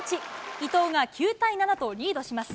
伊藤が９対７とリードします。